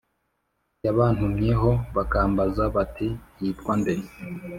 Yabantumyeho bakambaza bati yitwa nde